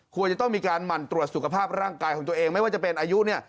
ควรจะต้องมีการหมั่นตรวจสุขภาพร่างกายของตัวเองไม่ว่าจะเป็นอายุเนี่ย